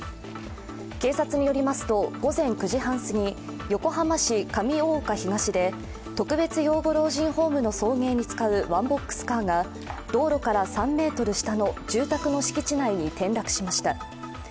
警察によりますと、午前９時半すぎ、横浜市上大岡東で特別養護老人ホームの送迎に使うワンボックスカーが、道路から３ｍ下の住宅の敷地内に転落しました。